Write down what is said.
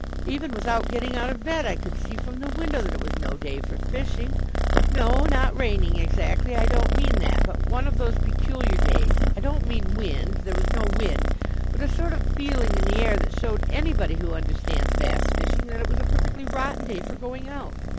Even without getting out of bed, I could see from the window that it was no day for fishing. No, not raining exactly. I don't mean that, but one of those peculiar days I don't mean wind there was no wind, but a sort of feeling in the air that showed anybody who understands bass fishing that it was a perfectly rotten day for going out.